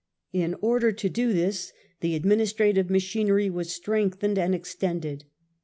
In order to do this the administrative machinery was strengthened and ex tended.